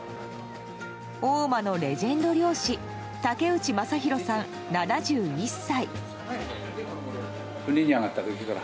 大間のレジェンド漁師竹内正弘さん、７１歳。